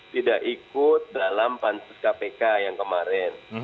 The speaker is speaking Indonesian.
tidak ikut dalam pansus kpk yang kemarin